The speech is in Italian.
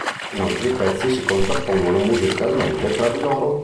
Inoltre, i pezzi si contrappongono musicalmente tra di loro.